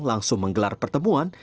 langsung menggelar pertemuan